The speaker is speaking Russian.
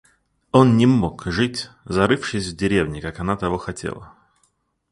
Он не мог жить, зарывшись в деревне, как она того хотела.